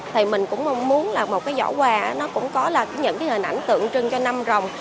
thì mình cũng muốn là một cái giỏ quà nó cũng có là những cái hình ảnh tượng trưng cho năm rồng